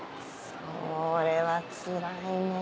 それはつらいねぇ。